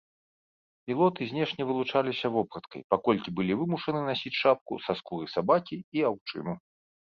Ілоты знешне вылучаліся вопраткай, паколькі былі вымушаны насіць шапку са скуры сабакі і аўчыну.